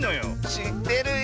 しってるよ！